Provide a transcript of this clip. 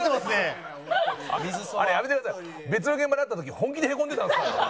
別の現場で会った時本気でへこんでたんですから。